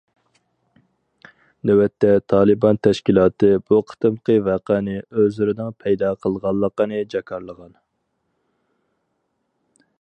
نۆۋەتتە تالىبان تەشكىلاتى بۇ قېتىمقى ۋەقەنى ئۆزلىرىنىڭ پەيدا قىلغانلىقىنى جاكارلىغان.